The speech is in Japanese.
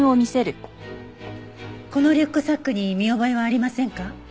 このリュックサックに見覚えはありませんか？